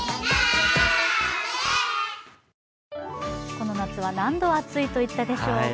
この夏は何度暑いといったででしょうか。